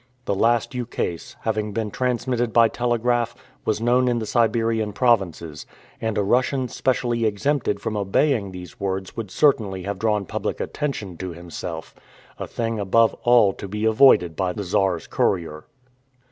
The last ukase, having been transmitted by telegraph, was known in the Siberian provinces; and a Russian specially exempted from obeying these words would certainly have drawn public attention to himself a thing above all to be avoided by the Czar's courier.